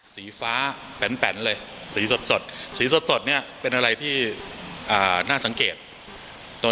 สีฟ้าแปนเลยสีสดสีสดเนี่ยเป็นอะไรที่น่าสังเกตตัว